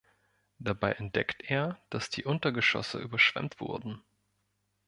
Dabei entdeckt er, dass die Untergeschosse überschwemmt wurden.